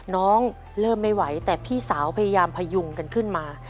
เริ่มไม่ไหวแต่พี่สาวพยายามพยุงกันขึ้นมา